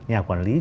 nhà quản lý